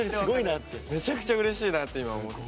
めちゃくちゃうれしいなって今思って。